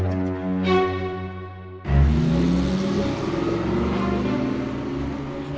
jangan berjalan dia ada disini